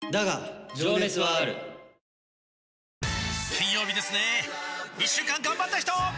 金曜日ですね一週間がんばった人！